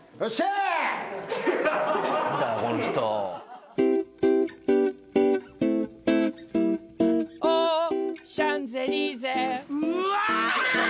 うわ！